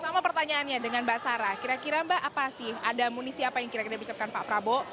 sama pertanyaannya dengan mbak sarah kira kira mbak apa sih ada munisi apa yang kira kira disiapkan pak prabowo